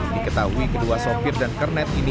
diketahui kedua sopir dan kernet ini